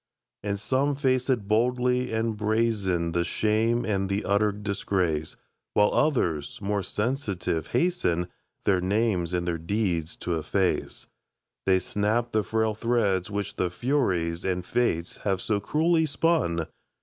And some face it boldly, and brazen The shame and the utter disgrace; While others, more sensitive, hasten Their names and their deeds to efface. They snap the frail thread which the Furies And Fates have so cruelly spun.